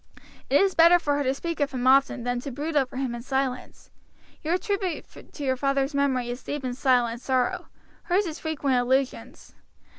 It is better for her to speak of him often than to brood over him in silence. Your tribute to your father's memory is deep and silent sorrow, hers is frequent allusions.